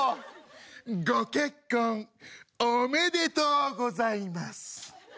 ご結婚おめでとうございます。